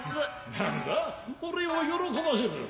何だ俺をよろこばせる。